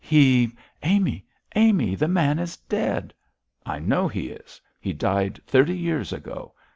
He ' 'Amy! Amy! the man is dead!' 'I know he is; he died thirty years ago.